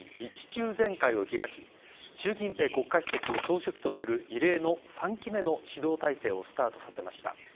１中全会を開き習近平国家主席を総書記とする異例の３期目の指導体制をスタートさせました。